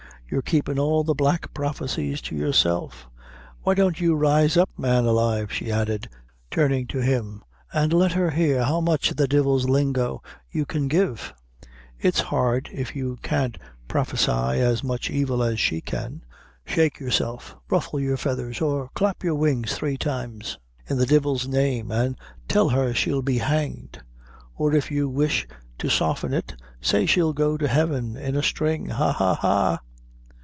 You're keepin' all the black prophecies to yourself. Why don't you rise up, man alive," she added, turning to him, "and let her hear how much of the divil's lingo you can give? It's hard, if you can't prophesy as much evil as she can. Shake yourself, ruffle your feathers, or clap your wings three times, in the divil's name, an' tell her she'll be hanged; or, if you wish to soften it, say she'll go to Heaven in a string. Ha, ha, ha!"